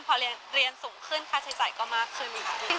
พอเรียนสูงขึ้นค่าใช้จ่ายก็มากขึ้น